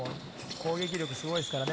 攻撃力、すごいですからね。